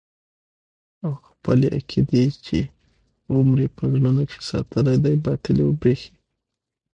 او خپلې عقيدې چې يو عمر يې په زړونو کښې ساتلې دي باطلې وبريښي.